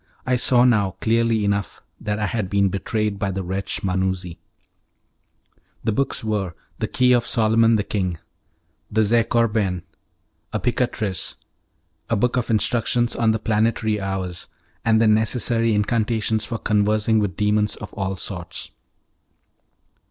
I saw now, clearly enough, that I had been betrayed by the wretch Manuzzi. The books were, "The Key of Solomon the King," "The Zecorben," a "Picatrix," a book of "Instructions on the Planetary Hours," and the necessary incantations for conversing with demons of all sorts.